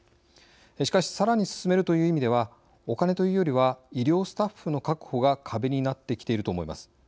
しかしさらに進めるという意味ではお金というよりは医療スタッフの確保が壁になってきていると思います。